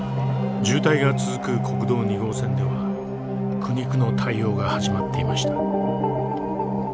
渋滞が続く国道２号線では苦肉の対応が始まっていました。